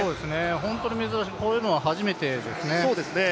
本当に珍しい、こういうのは初めてですね。